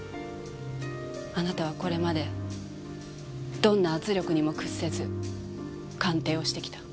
あなたはこれまでどんな圧力にも屈せず鑑定をしてきた。